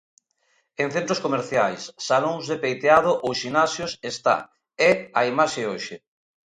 En centros comerciais, salóns de peiteado ou ximnasios está é a imaxe hoxe.